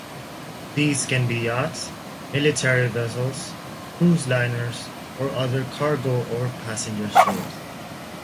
These can be yachts, military vessels, cruise liners or other cargo or passenger ships.